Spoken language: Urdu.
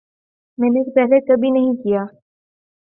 میں نے پہلے کبھی نہیں کیا